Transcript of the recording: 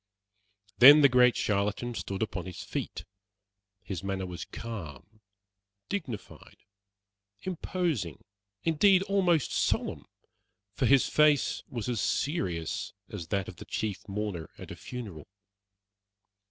Then the great charlatan stood upon his feet. His manner was calm, dignified, imposing, indeed almost solemn, for his face was as serious as that of the chief mourner at a funeral.